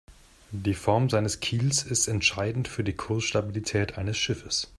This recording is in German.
Die Form seines Kiels ist entscheidend für die Kursstabilität eines Schiffes.